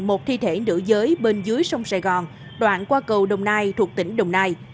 một thi thể nữ giới bên dưới sông sài gòn đoạn qua cầu đồng nai thuộc tỉnh đồng nai